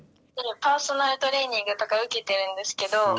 「パーソナルトレーニングとか受けてるんですけど」